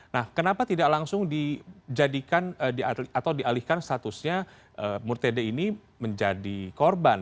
nah kenapa tidak langsung dijalihkan statusnya murtede ini menjadi korban